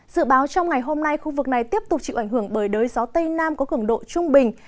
dự báo trong ngày hôm nay khu vực này tiếp tục chịu ảnh hưởng bởi đới gió tây nam có cường độ trung bình